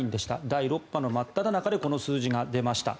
第６波の真っただ中でこの数字が出ました。